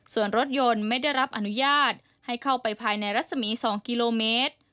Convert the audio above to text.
ส่วนรถยนต์ไม่ได้รับอนุญาตให้เข้าไปภายในรัศมี๒กิโลเมตร